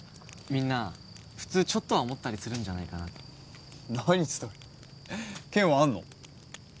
みんな普通ちょっとは思ったりするんじゃないかなって何それ健はあんの？